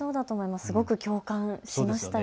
すごく共感しました。